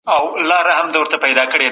هغې یوازې د خپل ځان لپاره ترې ګټه واخیسته.